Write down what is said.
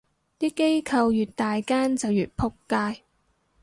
啲機構越大間就越仆街